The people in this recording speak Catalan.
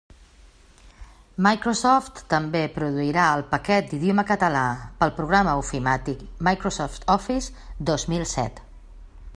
Microsoft també produirà el paquet d'idioma català pel programa ofimàtic Microsoft Office dos mil set.